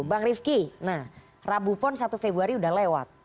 bang rifki nah rabupon satu februari sudah lewat